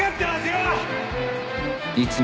はい。